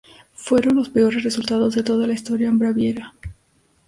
Fueron los peores resultados de toda la historia en Baviera.